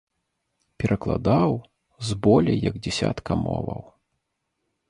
Перакладаў з болей як дзясятка моваў.